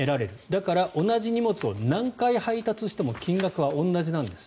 だから、同じ荷物を何回配達しても金額は同じなんです。